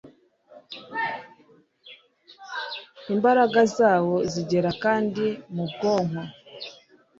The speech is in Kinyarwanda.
Imbaraga zawo zigera kandi mu bwonko